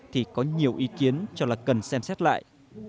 thì có nhiều ý kiến cho là cần xem xét lại